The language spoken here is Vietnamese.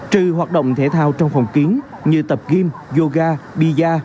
trừ hoạt động thể thao trong phòng kiến như tập gym yoga bia